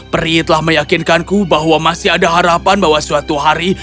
peri telah meyakinkanku bahwa masih ada harapan bahwa suatu hari